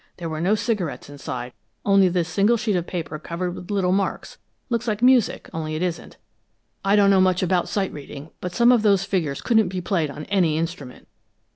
There were no cigarettes inside, only this single sheet of paper covered with little marks looks like music, only it isn't. I don't know much about sight reading, but some of those figures couldn't be played on any instrument!"